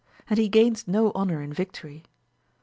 and he gains no honour in victory.